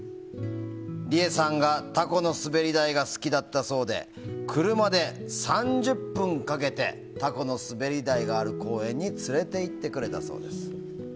リエさんがタコの滑り台が好きだったそうで車で３０分かけてタコの滑り台がある公園に連れて行ってくれたそうです。